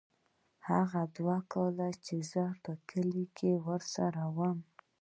هغه دوه کاله چې زه په کلي کښې ورسره وم.